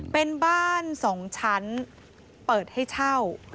เป็นบ้าน๒ชั้นเปิดให้เช่า